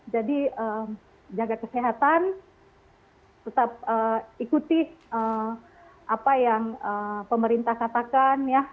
jadi jaga kesehatan tetap ikuti apa yang pemerintah katakan ya